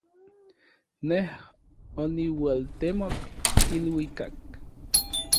Nej oniualtemok iluikak.